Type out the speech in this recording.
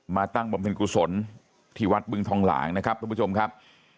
ตั้งบำเพ็ญกุศลที่วัดบึงทองหลางนะครับทุกผู้ชมครับ